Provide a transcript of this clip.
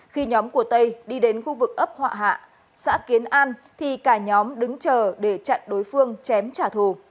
khi nhóm của tây đi đến khu vực ấp họa hạ xã kiến an thì cả nhóm đứng chờ để chặn đối phương chém trả thù